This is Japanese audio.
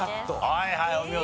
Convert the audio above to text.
はいはいお見事。